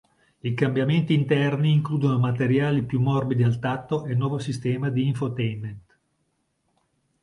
I cambiamenti interni includono materiali più morbidi al tatto e nuovo sistema di infotainment.